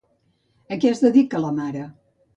A què es dedica la mare?